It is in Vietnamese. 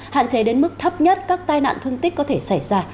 hạn chế đến mức thấp nhất các tai nạn thương tích có thể xảy ra